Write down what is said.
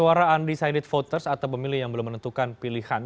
suara undecided voters atau pemilih yang belum menentukan pilihan